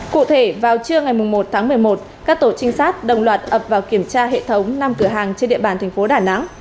cụ thể vào trưa ngày một tháng một mươi một các tổ trinh sát đồng loạt ập vào kiểm tra hệ thống năm cửa hàng trên địa bàn thành phố đà nẵng